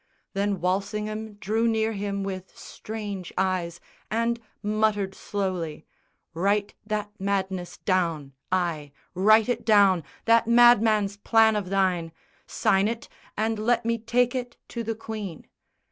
Then Walsingham drew near him with strange eyes And muttered slowly, "Write that madness down; Ay, write it down, that madman's plan of thine; Sign it, and let me take it to the Queen."